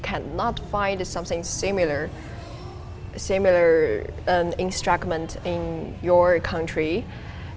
kamu tidak bisa menemukan instrumen yang sama di negara kamu